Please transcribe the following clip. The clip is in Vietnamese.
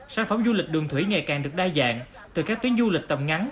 sản phẩm du lịch đường thủy ngày càng được đa dạng từ các tuyến du lịch tầm ngắn